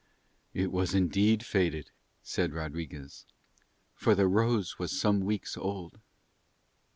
"It was indeed faded," said Rodriguez, "for the rose was some weeks old."